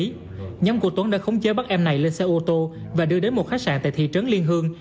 nhóm của tuấn đã khống chế bắt em này lên xe ô tô và đưa đến một khách sạn tại thị trấn liên hương